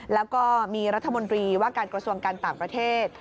แล้วก็มีรัฐมนตรีว่าการกระทรวงการต่างประเทศ